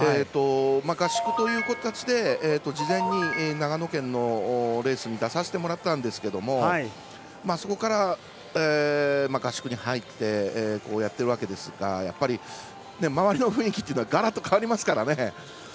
合宿という形で事前に長野県のレースに出させてもらったんですがそこから、合宿に入ってやってるわけですがやっぱり周りの雰囲気というのはガラッと変わりますからね。